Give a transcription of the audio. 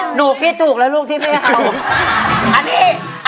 หนูคิดถูกแล้วลูกที่ไม่เอา